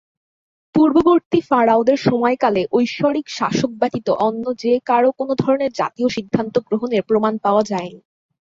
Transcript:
পূর্ববর্তী ফারাওদের সময়কালে ঐশ্বরিক শাসক ব্যতীত অন্য যে-কারও কোনো ধরনের জাতীয় সিদ্ধান্ত গ্রহণের প্রমাণ পাওয়া যায়নি।